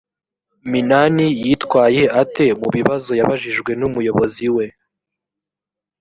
minani yitwaye ate mu bibazo yabajijwe n‘umuyobozi we?